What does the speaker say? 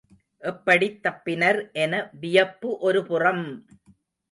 எப்படித் தப்பினர் என வியப்பு ஒருபுறம்!